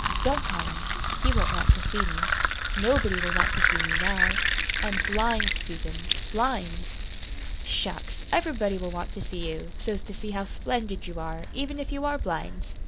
Don't call him. He won't want to see me. Nobody will want to see me now. I'm blind, Susan blind!" "Shucks! Everybody will want to see you, so's to see how splendid you are, even if you are blind.